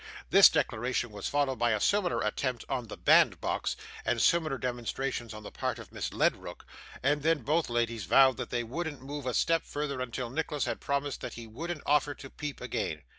This declaration was followed by a similar attempt on the bandbox, and similar demonstrations on the part of Miss Ledrook, and then both ladies vowed that they wouldn't move a step further until Nicholas had promised that he wouldn't offer to peep again.